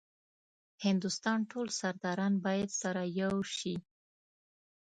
هندوستان ټول سرداران باید سره یو شي.